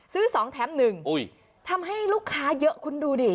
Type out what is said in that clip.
ซื้อ๒แถม๑ทำให้ลูกค้าเยอะคุณดูดิ